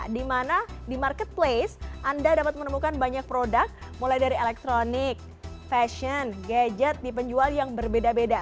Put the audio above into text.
di mana di marketplace anda dapat menemukan banyak produk mulai dari elektronik fashion gadget di penjual yang berbeda beda